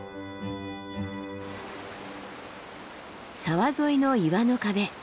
沢沿いの岩の壁。